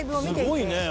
すごいね。